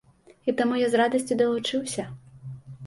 І таму я з радасцю далучыўся.